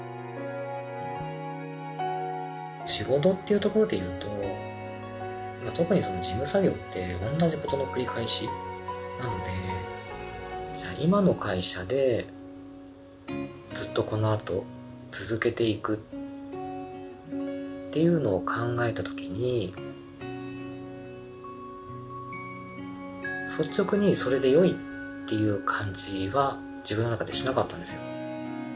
仕事っていうところでいうと特に事務作業って同じことの繰り返しなのでじゃあ今の会社でずっとこのあと続けていくっていうのを考えたときに率直にそれで良いっていう感じは自分の中でしなかったんですよ。